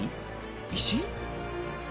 石？